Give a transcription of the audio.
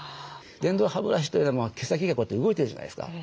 電動歯ブラシというのは毛先がこうやって動いてるじゃないですか。